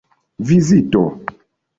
vizito